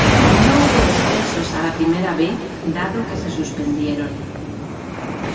No hubo descensos a la Primera B, dado que se suspendieron.